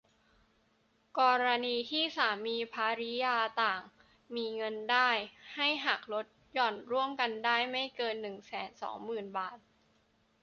กรณีที่สามีภริยาต่างฝ่ายต่างมีเงินได้ ให้หักลดหย่อนรวมกันได้ไม่เกิน หนึ่งแสนสองหมื่น บาท